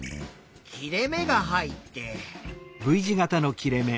切れ目が入って。